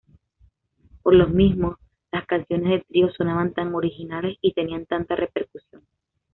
Por lo mismo, las canciones del trío sonaban tan originales y tenían tanta repercusión.